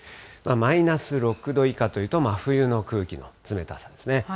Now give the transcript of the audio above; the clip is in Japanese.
マイナス６度以下というと、真冬の空気の冷たさですね。